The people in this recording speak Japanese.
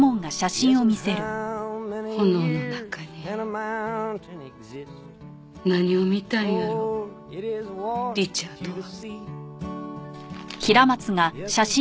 炎の中に何を見たんやろリチャードは。